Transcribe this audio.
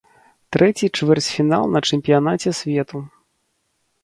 Трэці чвэрцьфінал на чэмпіянаце свету.